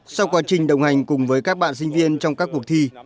sau quá trình đồng hành cùng với các bạn sinh viên trong các cuộc thi